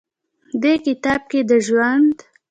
دې کتاب کښې د ژوند